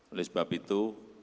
oleh sebab itu